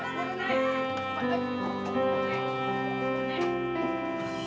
jalan jalan jalan